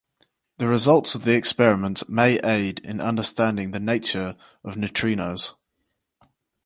The results of the experiment may aid in understanding the nature of neutrinos.